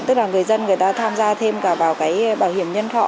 tức là người dân người ta tham gia thêm cả bảo hiểm nhân thọ